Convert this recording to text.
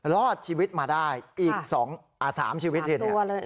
รอดชีวิตมาได้อีก๓ชีวิตทีเนี่ย